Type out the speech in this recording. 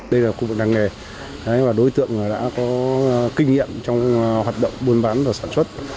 đây là cục đăng nghề đối tượng đã có kinh nghiệm trong hoạt động buôn bán và sản xuất